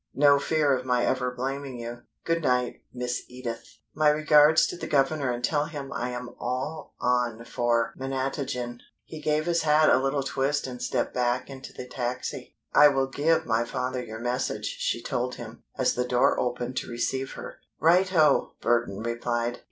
No fear of my ever blaming you. Good night, Miss Edith! My regards to the governor and tell him I am all on for Menatogen." He gave his hat a little twist and stepped back into the taxi. "I will give my father your message," she told him, as the door opened to receive her. "Righto!" Burton replied.